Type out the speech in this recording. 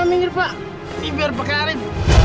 ini biar bekarin